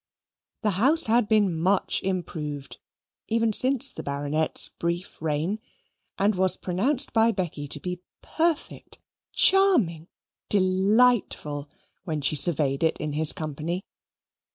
The house had been much improved even since the Baronet's brief reign, and was pronounced by Becky to be perfect, charming, delightful, when she surveyed it in his company.